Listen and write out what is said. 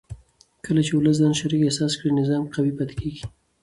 کله چې ولس ځان شریک احساس کړي نظام قوي پاتې کېږي